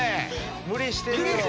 無理してるよ。